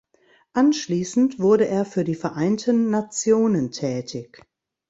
Anschließend wurde er für die Vereinten Nationen tätig.